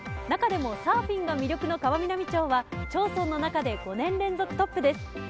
中でもサーフィンが魅力の川南町は町村の中で５年連続トップです。